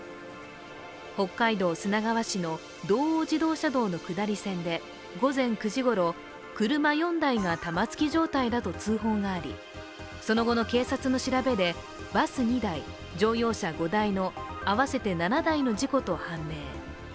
北海道砂川市の道央自動車道の下り線で午前９時ごろ、車４台が玉突き状態だと通報がありその後の警察の調べで、バス２台、乗用車５台の合わせて７台の事故と判明。